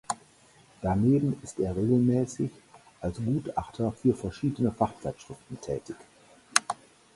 Daneben ist er regelmäßig als Gutachter für verschiedene Fachzeitschriften tätig.